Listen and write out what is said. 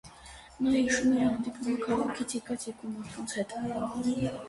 Նա հիշում էր հանդիպումը քաղաքից եկած երկու մարդկանց հետ։